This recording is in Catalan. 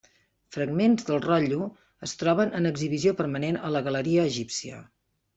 Fragments del rotllo es troben en exhibició permanent a la galeria egípcia.